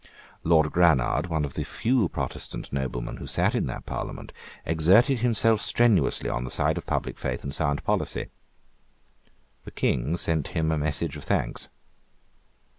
Lord Granard, one of the few Protestant noblemen who sate in that parliament, exerted himself strenuously on the side of public faith and sound policy. The King sent him a message of thanks.